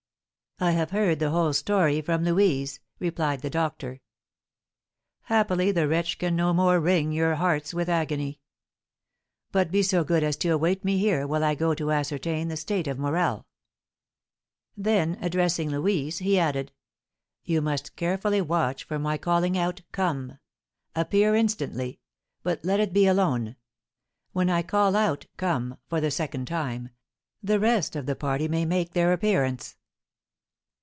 "I have heard the whole story from Louise," replied the doctor. "Happily the wretch can no more wring your hearts with agony. But be so good as to await me here while I go to ascertain the state of Morel." Then, addressing Louise, he added, "You must carefully watch for my calling out 'Come!' Appear instantly; but let it be alone. When I call out 'Come!' for the second time, the rest of the party may make their appearance."